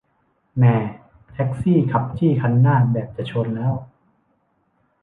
แหม่ แท็กซี่ขับจี้คันหน้าแบบจะชนแล้ว